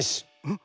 ん？